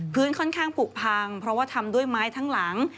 ค่อนข้างผูกพังเพราะว่าทำด้วยไม้ทั้งหลัง